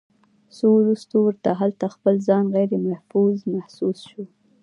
خو وروستو ورته هلته خپل ځان غيرمحفوظ محسوس شو